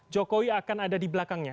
jokowi akan ada di belakangnya